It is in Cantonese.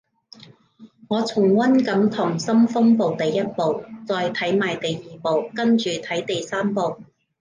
我重溫緊溏心風暴第一部，再睇埋第二部跟住睇第三部